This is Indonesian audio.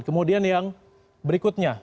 kemudian yang berikutnya